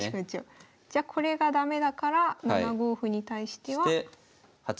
じゃこれが駄目だから７五歩に対しては。